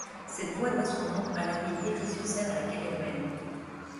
Cette voie doit son nom à la ville d'Ivry-sur-Seine à laquelle elle mène.